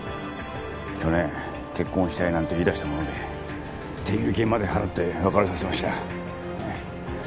去年結婚したいなんて言い出したもので手切れ金まで払って別れさせました。